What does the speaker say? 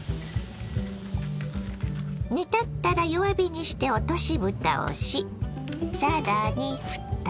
煮立ったら弱火にして落としぶたをし更にふた。